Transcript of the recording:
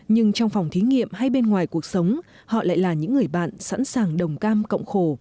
nhưng trong phòng thí nghiệm hay bên ngoài cuộc sống họ lại là những người bạn sẵn sàng đồng cam cộng khổ